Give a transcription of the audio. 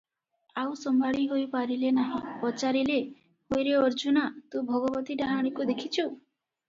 ଆଉ ସମ୍ଭାଳି ହୋଇ ପାରିଲେ ନାହିଁ, ପଚାରିଲେ, "ହୋଇରେ ଅର୍ଜୁନା, ତୁ ଭଗବତୀ ଡାହାଣୀକୁ ଦେଖିଛୁ?"